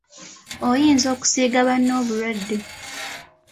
Oyinza okusiiga banno obulwadde.